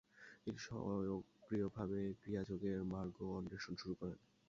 তিনি সক্রিয়ভাবে ক্রিয়াযোগের মার্গ অন্বেষণ শুরু করেন।